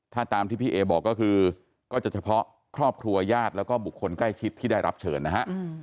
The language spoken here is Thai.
ถ้าตามที่พี่เอบอกก็คือก็จะเฉพาะครอบครัวญาติแล้วก็บุคคลใกล้ชิดที่ได้รับเชิญนะฮะ